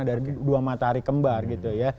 dari dua matahari kembar gitu ya